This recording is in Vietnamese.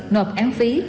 nộp án phí